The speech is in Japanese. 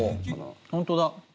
本当だ。